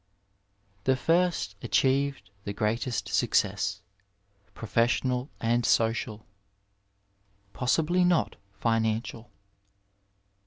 The first achieved the greatest success, professional and social, possibly not financial.